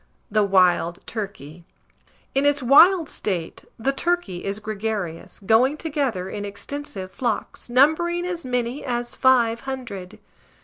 THE WILD TURKEY. In its wild state, the turkey is gregarious, going together in extensive flocks, numbering as many as five hundred.